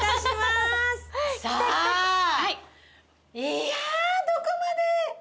いやどこまで。